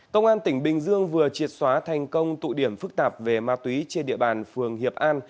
công an tỉnh bình dương vừa triệt xóa thành công tụ điểm phức tạp về ma túy trên địa bàn phường hiệp an